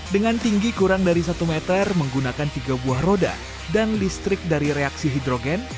dengan tinggi kurang dari satu meter menggunakan tiga buah roda dan listrik dari reaksi hidrogen